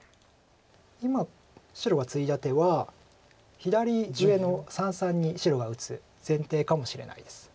今白がツイだ手は左上の三々に白が打つ先手かもしれないです。